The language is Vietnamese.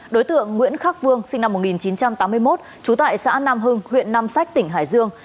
đối tượng nguyễn khắc vương sinh năm một nghìn chín trăm tám mươi một trú tại xã nam hưng huyện nam sách tỉnh hải dương